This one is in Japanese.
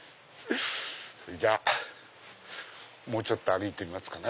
それじゃもうちょっと歩いてみますかね。